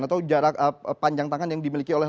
atau jarak panjang tangan yang dimiliki oleh